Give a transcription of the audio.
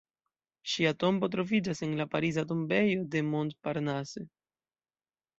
Ŝia tombo troviĝas en la Pariza Tombejo de Montparnasse.